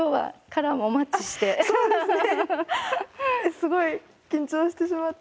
すごい緊張してしまって。